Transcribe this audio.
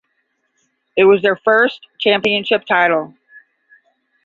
It was their first championship title.